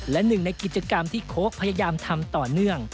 และหนึ่งในกิจกรรมที่โค้กพยายามทำต่อเนื่อง